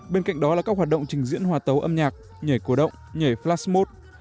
bên cạnh đó là các hoạt động trình diễn hòa tấu âm nhạc nhảy cổ động nhảy flash mode